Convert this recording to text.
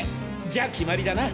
じゃ決まりだな！